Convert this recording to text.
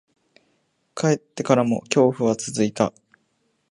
帰ってからも、恐怖は続いた。